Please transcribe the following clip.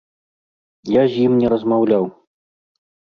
Я з ім не размаўляў.